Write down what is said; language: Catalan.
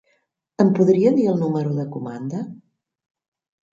Em podria dir el número de comanda?